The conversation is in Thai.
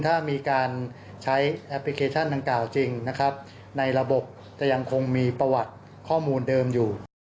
ถ้ามีการใช้แอปพลิเคชันดังกล่าวจริงนะครับในระบบจะยังคงมีประวัติข้อมูลเดิมอยู่